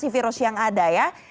dari mutasi virus yang ada ya